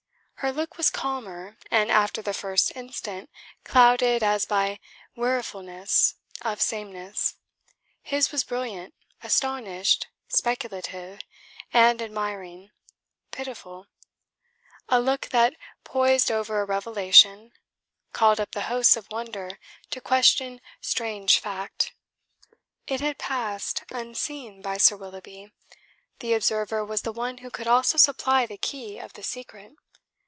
Her look was calmer, and after the first instant clouded as by wearifulness of sameness; his was brilliant, astonished, speculative, and admiring, pitiful: a look that poised over a revelation, called up the hosts of wonder to question strange fact. It had passed unseen by Sir Willoughby. The observer was the one who could also supply the key of the secret.